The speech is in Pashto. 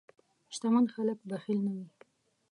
شتمن خلک بخیل نه وي.